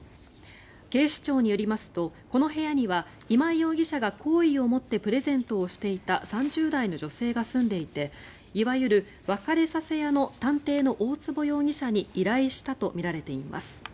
警視庁によりますとこの部屋には今井容疑者が好意を持ってプレゼントをしていた３０代の女性が住んでいていわゆる別れさせ屋の探偵の大坪容疑者に依頼したとみられています。